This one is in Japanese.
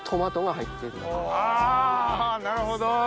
あなるほど。